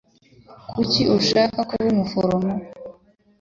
Kuki ushaka kuba umuforomo?